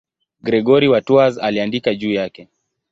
Gregori wa Tours aliandika juu yake.